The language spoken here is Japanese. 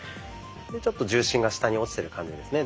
でちょっと重心が下に落ちてる感じですね